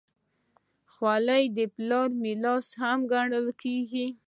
خولۍ د پلار میراث هم ګڼل کېږي.